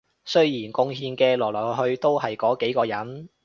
雖然貢獻嘅來來去去都係嗰幾個人